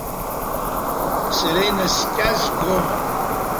Сара инаскьазгома?